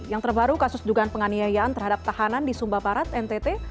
yang terbaru kasus dugaan penganiayaan terhadap tahanan di sumba barat ntt